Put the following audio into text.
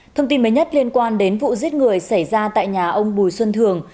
thông tin mới nhất liên quan đến vụ giết người xảy ra tại nhà ông bùi xuân thường